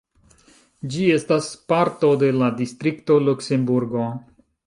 Ĝi estas parto de la distrikto Luksemburgo.